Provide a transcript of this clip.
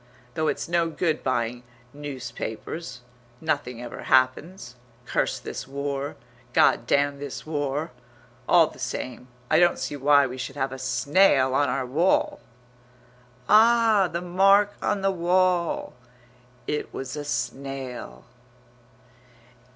"Though it's no good buying newspapers.... Nothing ever happens. Curse this war; God damn this war!... All the same, I don't see why we should have a snail on our wall." Ah, the mark on the wall! It was a snail.